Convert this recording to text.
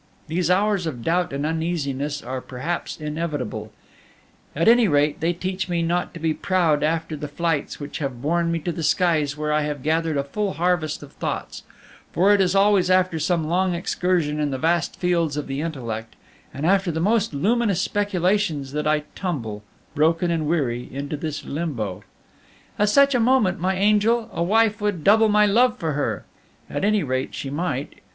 These hours of doubt and uneasiness are perhaps inevitable; at any rate, they teach me not to be proud after the flights which have borne me to the skies where I have gathered a full harvest of thoughts; for it is always after some long excursion in the vast fields of the intellect, and after the most luminous speculations, that I tumble, broken and weary, into this limbo. At such a moment, my angel, a wife would double my love for her at any rate, she might.